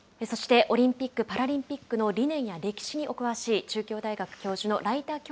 そしてオリンピック・パラリンピックの理念や歴史にお詳しい中京大学教授の來田